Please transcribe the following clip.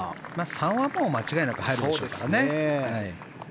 ３はもう間違いなく入るでしょうからね。